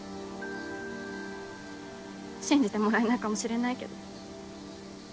信じてもらえないかもしれないけど。